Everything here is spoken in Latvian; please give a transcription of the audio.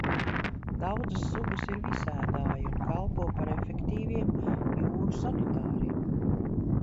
Daudzas sugas ir visēdāji un kalpo par efektīviem jūru sanitāriem.